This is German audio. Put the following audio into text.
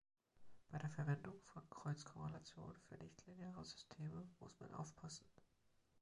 Bei der Verwendung von Kreuzkorrelation für nichtlineare Systeme muss man aufpassen.